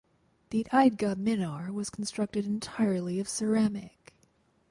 The Eidgah Minar was constructed entirely of ceramic.